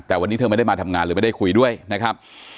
แต่วันนี้เธอไม่ได้มาทำงานเลยไม่ได้คุยด้วยนะครับ